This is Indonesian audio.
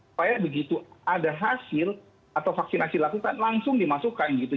supaya begitu ada hasil atau vaksinasi lakukan langsung dimasukkan gitu